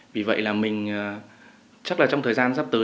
vì vậy là mình chắc là trong thời gian sắp tới